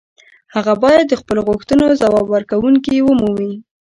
هغه باید د خپلو غوښتنو ځواب ورکوونکې ومومي.